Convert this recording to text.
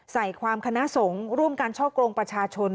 ใส่ความคณะสงฆ์ร่วมการช่อกงประชาชน